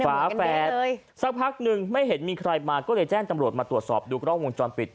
ฝาแฝดสักพักหนึ่งไม่เห็นมีใครมาก็เลยแจ้งตำรวจมาตรวจสอบดูกล้องวงจรปิด